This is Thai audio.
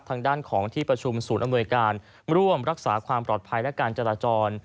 ทางด้านของที่ประชุมศูนย์อำนวยการร่วมรักษาความปลอดภัยและการจราจร